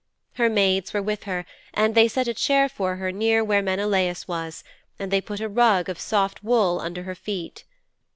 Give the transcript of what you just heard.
Her maids were with her, and they set a chair for her near where Menelaus was and they put a rug of soft wool under her feet.